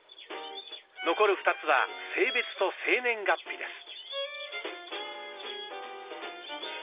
残る２つは性別と生年月日です。